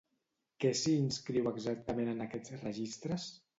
Què s'hi inscriu exactament en aquests registres?